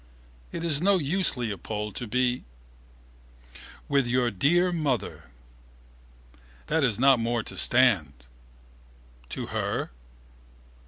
it is no use Leopold to be ... with your dear mother... that is not more to stand... to her...